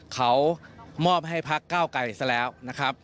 เขามอบให้พักเก้าไกลซะแล้วนะครับ